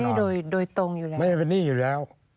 ไม่ได้เป็นนี่โดยตรงอยู่แล้วค่ะไม่ได้เป็นนี่อยู่แล้ว